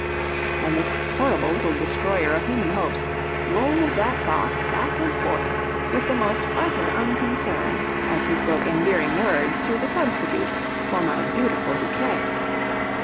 And this horrible little destroyer of human hopes rolled that box back and forth with the most utter unconcern, as he spoke endearing words to the substitute for my beautiful bouquet!